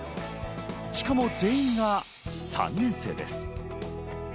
しかも全員が３年生です。